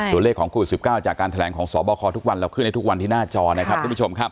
ส่วนเลขของโควิด๑๙จากการแถลงของสบคทุกวันเราขึ้นในทุกวันที่หน้าจอนะครับ